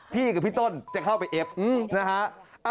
พี่กับพี่ต้นจะเข้าไปเอฟนะฮะ